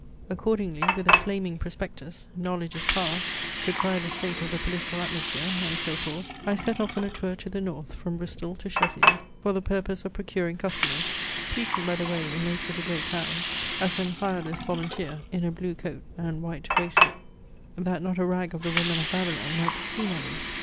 Accordingly with a flaming prospectus, "Knowledge is Power," "To cry the state of the political atmosphere," and so forth, I set off on a tour to the North, from Bristol to Sheffield, for the purpose of procuring customers, preaching by the way in most of the great towns, as an hireless volunteer, in a blue coat and white waistcoat, that not a rag of the woman of Babylon might be seen on me.